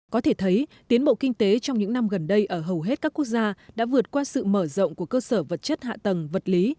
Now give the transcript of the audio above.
có thể thấy tiến bộ kinh tế trong những năm gần đây ở hầu hết các quốc gia đã vượt qua sự mở rộng của cơ sở vật chất hạ tầng vật lý